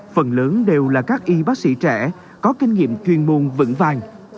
phần lớn đều là các y bác sĩ trẻ có kinh nghiệm chuyên môn vững vàng